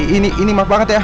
ini maaf banget ya